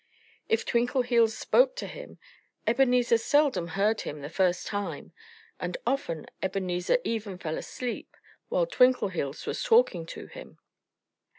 If Twinkleheels spoke to him, Ebenezer seldom heard him the first time. And often Ebenezer even fell asleep while Twinkleheels was talking to him.